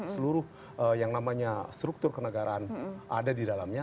seluruh yang namanya struktur kenegaraan ada di dalamnya